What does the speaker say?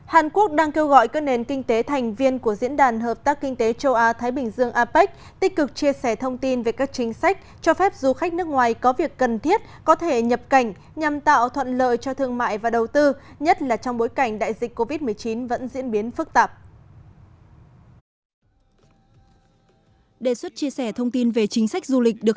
hàn quốc đang kêu gọi các nền kinh tế thành viên của diễn đàn hợp tác kinh tế châu á thái bình dương apec tích cực chia sẻ thông tin về các chính sách cho phép du khách nước ngoài có việc cần thiết có thể nhập cảnh nhằm tạo thuận lợi cho thương mại và đầu tư nhất là trong bối cảnh đại dịch covid một mươi chín vẫn diễn biến phức tạp